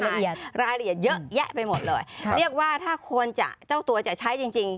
รายละเอียดรายละเอียดเยอะแยะไปหมดเลยค่ะเรียกว่าถ้าควรจะเจ้าตัวจะใช้จริงจริง